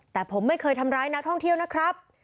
แต่ผมไม่เคยทำร้ายนักท่องเที่ยวนะครับ